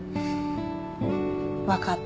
分かった。